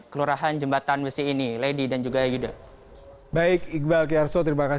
pemprov dki jakarta